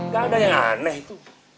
gak ada yang aneh itu